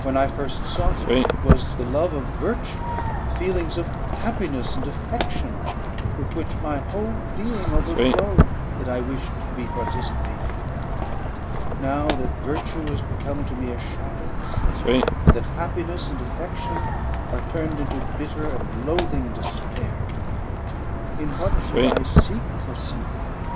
When I first sought it, it was the love of virtue, the feelings of happiness and affection with which my whole being overflowed, that I wished to be participated. But now, that virtue has become to me a shadow, and that happiness and affection are turned into bitter and loathing despair, in what should I seek for sympathy?